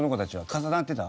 重なってた？